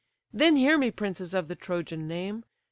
Then hear me, princes of the Trojan name!